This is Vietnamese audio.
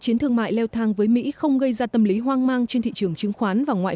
chiến thương mại leo thang với mỹ không gây ra tâm lý hoang mang trên thị trường chứng khoán và ngoại